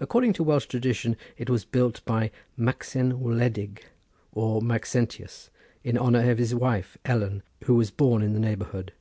According to Welsh tradition it was built by Maxen Wledig or Maxentius, in honour of his wife Ellen, who was born in the neighbourhood.